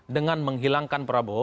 dengan menghilangkan prabowo